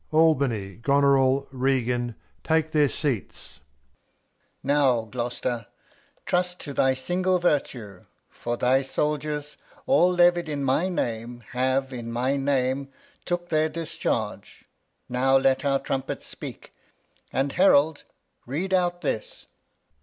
Albany, Goneril, Regan, tahe their Seats. Alb. Now, Gloster, trust to thy single Vertue, for thy Souldiers All levied in my Name, have in my Name Took their Discharge ; now let our Trumpets speak, And Herald read out this.